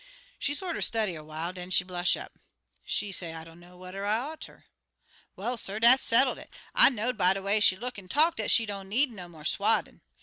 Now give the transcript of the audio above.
She sorter study awhile, an' den she blush up. She say, 'I dunno whedder I ought ter.' "Well, suh, dat settled it. I know'd by de way she look an' talk dat she don't need no mo' 'swadin'.